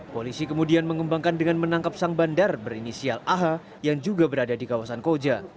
polisi kemudian mengembangkan dengan menangkap sang bandar berinisial aha yang juga berada di kawasan koja